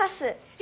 え！？